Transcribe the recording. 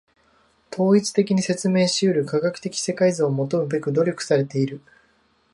統一的に説明し得る科学的世界像を求むべく努力されている。